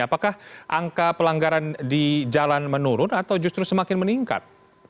apakah angka pelanggaran di jalan menurun atau justru semakin meningkat